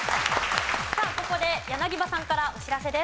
さあここで柳葉さんからお知らせです。